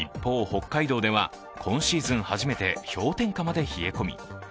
北海道では今シーズン初めて氷点下まで冷え込み